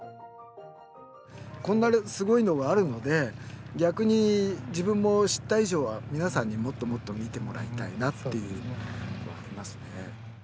こんなにすごいのがあるので逆に自分も知った以上は皆さんにもっともっと見てもらいたいなっていうのはありますね。